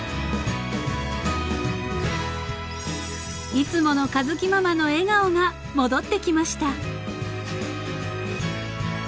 ［いつもの佳月ママの笑顔が戻ってきました］